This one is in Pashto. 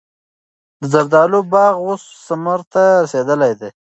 د زردالو باغ اوس ثمر ته رسېدلی دی.